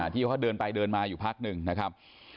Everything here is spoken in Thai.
ที่เขาเดินไปเดินมาอยู่พักหนึ่งนะครับ